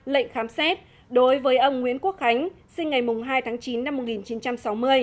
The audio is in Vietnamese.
lệnh khám xét đối với ông nguyễn quốc khánh sinh ngày hai tháng chín năm một nghìn chín trăm sáu mươi